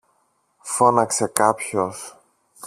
φώναξε κάποιος.